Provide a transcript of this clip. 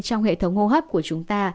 trong hệ thống hô hấp của chúng ta